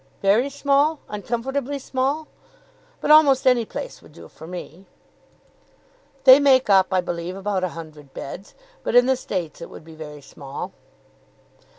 "Very small? uncomfortably small? But almost any place would do for me." "They make up, I believe, about a hundred beds; but in the States it would be very small."